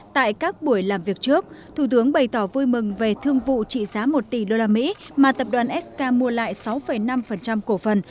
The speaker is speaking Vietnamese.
tại các buổi làm việc trước thủ tướng bày tỏ vui mừng về thương vụ trị giá một tỷ usd mà tập đoàn sk mua lại sáu năm cổ phần